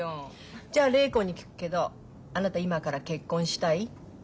じゃ礼子に聞くけどあなた今から結婚したい？